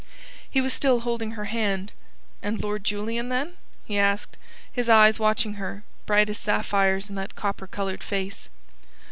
He was still holding her hand. "And Lord Julian, then?" he asked, his eyes watching her, bright as sapphires in that copper coloured face.